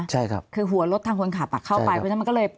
ใช่ครับคือหัวรถทางคนขับอ่ะเข้าไปเพราะฉะนั้นมันก็เลย